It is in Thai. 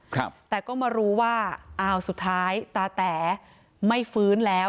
ครับแต่ก็มารู้ว่าอ้าวสุดท้ายตาแต๋ไม่ฟื้นแล้ว